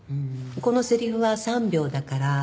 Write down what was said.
このセリフは３秒だから。